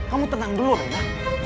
kamu tenang dulu raina